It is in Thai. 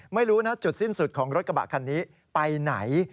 ไม่รู้นะจุดสิ้นสุดของรถกระบะคันนี้ไปไหน